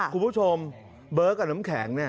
คุณผู้ชมเบ๊อกกับน้ำแข็ง